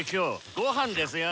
ご飯ですよ。